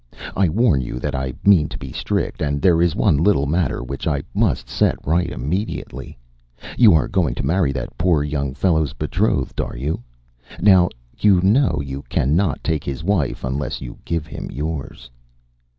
I warn you that I mean to be strict, and there is one little matter which I must set right immediately. You are going to marry that poor young fellow’s betrothed, are you? Now you know you can not take his wife, unless you give him yours.